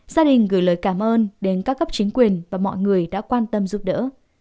gia đình gửi lời cảm ơn đến các cấp chính quyền và mọi người đã quan tâm giúp đỡ